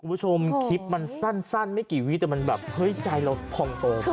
คุณผู้ชมคลิปมันสั้นไม่กี่วิแต่มันแบบเฮ้ยใจเราพองโตไป